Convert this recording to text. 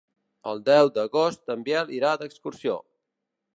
El deu d'agost en Biel irà d'excursió.